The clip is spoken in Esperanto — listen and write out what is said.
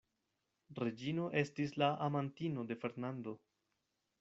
Reĝino estis la amantino de Fernando.